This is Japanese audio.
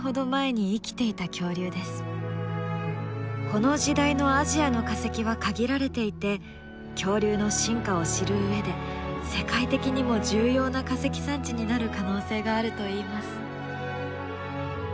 この時代のアジアの化石は限られていて恐竜の進化を知る上で世界的にも重要な化石産地になる可能性があるといいます。